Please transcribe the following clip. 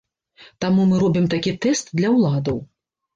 Таму мы робім такі тэст для ўладаў.